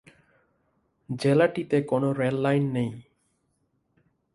জেলাটিতে কোন rail line নেই।